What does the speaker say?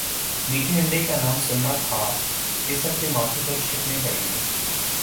میٹھے انڈے کا نام سننا تھا کہ سب کے ماتھے پر شکنیں پڑ گئی